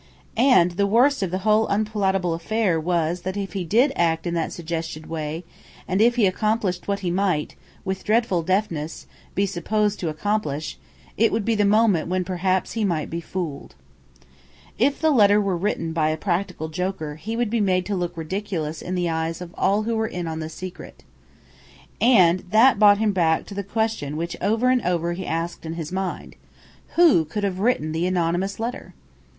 And the worst of the whole unpalatable affair was that if he did act in that suggested way, and if he accomplished what he might, with dreadful deftness, be supposed to accomplish, it would be the moment when perhaps he might be fooled. If the letter were written by a practical joker, he would be made to look ridiculous in the eyes of all who were in the secret. And that thought brought him back to the question which over and over he asked in his mind. Who could have written the anonymous letter?